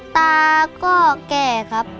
ตาก็แก่ครับ